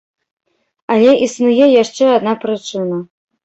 Але існуе яшчэ адна прычына.